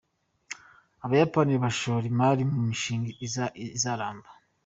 Abayapani bashora imari mu mishinga izaramba.